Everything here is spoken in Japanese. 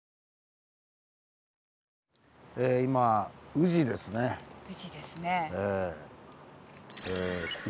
宇治ですね。